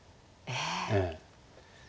ええ。